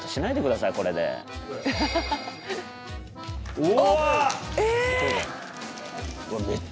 うわ。